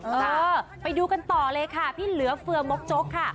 เออไปดูกันต่อเลยค่ะพี่เหลือเฟือมกจกค่ะ